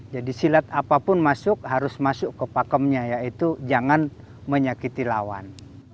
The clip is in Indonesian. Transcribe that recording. jadi silat apapun masuk harus masuk ke pakemnya yaitu jangan menyakiti lawan